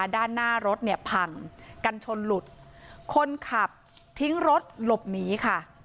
ด้านหน้ารถเนี่ยพังกันชนหลุดคนขับทิ้งรถหลบหนีค่ะ